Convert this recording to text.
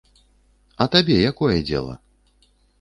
А табе якое дзела?